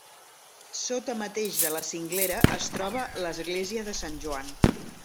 Sota mateix de la cinglera es troba l'església de Sant Joan.